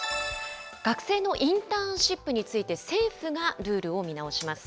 学生のインターンシップについて、政府がルールを見直します。